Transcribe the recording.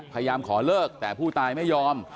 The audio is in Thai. พยายามขอเลิกแต่ผู้ตายไม่ยอม